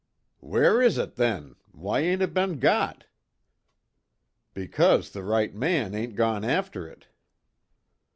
"Where is it, then? Why ain't it be'n got?" "Because the right man ain't gone after it."